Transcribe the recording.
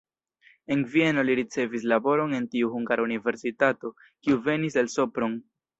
En Vieno li ricevis laboron en tiu hungara universitato, kiu venis el Sopron.